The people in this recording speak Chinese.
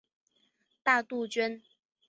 大杜鹃。